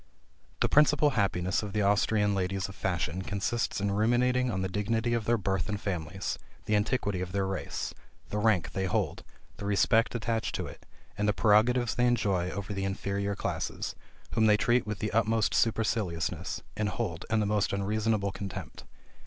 The principal happiness of the Austrian ladies of fashion consists in ruminating on the dignity of their birth and families, the antiquity of their race, the rank they hold, the respect attached to it, and the prerogatives they enjoy over the inferior classes, whom they treat with the utmost superciliousness, and hold in the most unreasonable contempt.